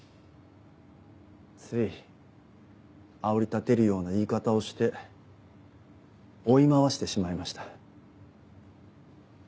ついあおり立てるような言い方をして追い回してしまいました。